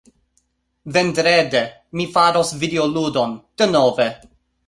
Vendrede... mi faros videoludon, denove.